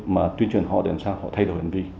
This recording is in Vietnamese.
mà tuyên truyền họ để làm sao họ thay đổi hành vi